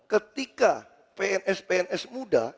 ketika pns pns muda